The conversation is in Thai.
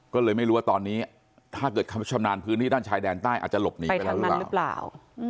ก็เลยไม่รู้ว่าตอนนี้ถ้าเกิดคำชำนาญพื้นที่ด้านชายแดนใต้อาจจะหลบหนีไปแล้วหรือเปล่า